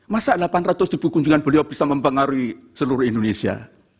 masa delapan ratus ribu kunjungan beliau bisa mempengaruhi seluruh indonesia